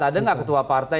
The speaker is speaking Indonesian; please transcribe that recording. ada tidak ketua partai